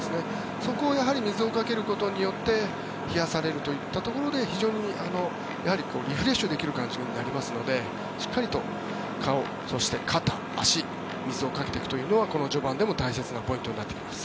そこを水をかけることによって冷やされるというところでリフレッシュできる感じになりますのでしっかりと顔、肩、足に水をかけていくのがこの序盤でも大切なポイントになってきます。